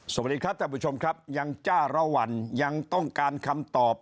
สวัสดีครับท่านผู้ชมครับยังจ้าระวั่นยังต้องการคำตอบ